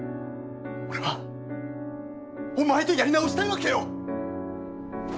俺はお前とやり直したいわけよ！